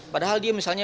padahal dia menggunakan